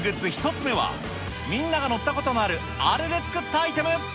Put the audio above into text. １つ目は、みんなが乗ったことのあるあれで作ったアイテム。